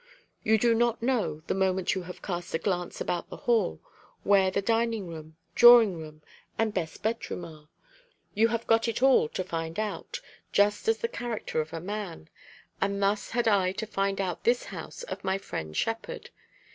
You do not know, the moment you have cast a glance about the hall, where the dining room, drawing room, and best bedroom are. You have got it all to find out, just as the character of a man; and thus had I to find out this house of my friend Shepherd.